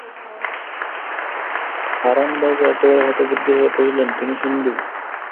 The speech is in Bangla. হারানবাবু একেবারে হতবুদ্ধি হইয়া কহিলেন, তুমি হিন্দু।